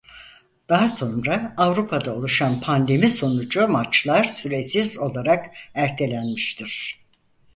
Daha sonra Avrupa'da oluşan pandemi sonucu maçlar süresiz olarak ertelenmiştir.